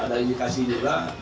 ada indikasi juga